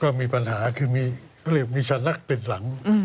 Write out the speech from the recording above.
ก็มีปัญหาคือมีชะนักเป็นหลัง